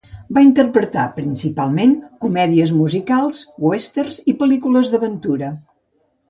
Va interpretar principalment comèdies musicals, westerns i pel·lícules d'aventura.